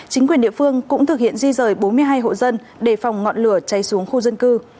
chính quyền địa phương cũng thực hiện di rời bốn mươi hai hộ dân đề phòng ngọn lửa cháy xuống khu dân cư